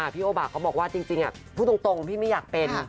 พี่โอบาก็บอกว่าจริงพูดตรงพี่ไม่อยากเป็น